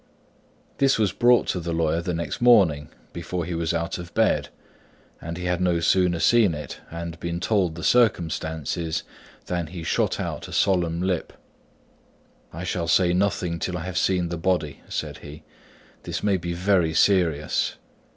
This was brought to the lawyer the next morning, before he was out of bed; and he had no sooner seen it and been told the circumstances, than he shot out a solemn lip. "I shall say nothing till I have seen the body," said he; "this may be very serious.